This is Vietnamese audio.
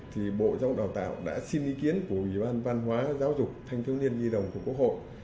thì bộ giáo dục đào tạo đã xin ý kiến của ủy ban văn hóa giáo dục thanh thiếu niên nhi đồng của quốc hội